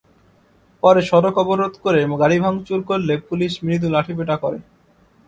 পরে সড়ক অবরোধ করে গাড়ি ভাঙচুর করলে পুলিশ মৃদু লাঠিপেটা করে।